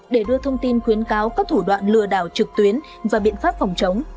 để đưa thông tin khuyến cáo các thủ đoạn lừa đảo trực tuyến và biện pháp phòng chống